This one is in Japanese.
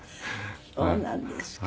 そうなんですか。